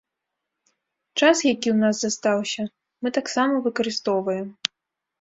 Час, які ў нас застаўся, мы таксама выкарыстоўваем.